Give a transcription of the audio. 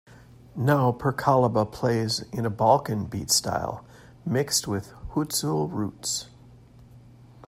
Now Perkalaba plays in a Balkan beat style mixed with Hutzul roots.